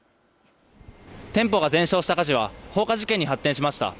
店舗が全焼した火事は放火事件に発展しました。